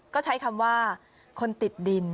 ก็ใช้คำว่าคนติดดิน